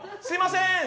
すいません。